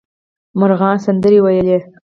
مرغان سندرې ویل.